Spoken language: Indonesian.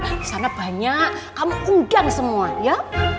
di sana banyak kamu undang semua ya